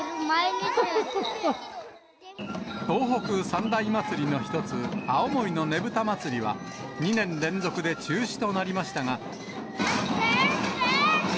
東北三大祭りの一つ、青森のねぶた祭は、２年連続で中止となりましたが。